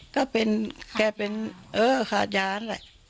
ก็เป็นแกเป็นคาดยาน